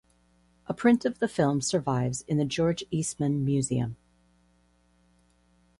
A print of the film survives in the George Eastman Museum.